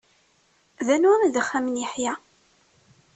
D anwa i d axxam n Yeḥya?